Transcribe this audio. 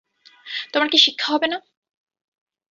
তোমার কি শিক্ষা হবে না?